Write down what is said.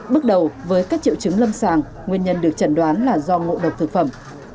bước đầu với các triệu chứng lâm sàng nguyên nhân được chẩn đoán là do ngộ độc thực phẩm